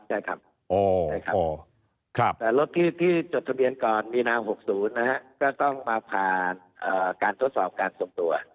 ใช่ครับแต่รถที่จดทะเบียนก่อนมีนาว๖๐ก็ต้องมาผ่านการทดสอบการสมตัว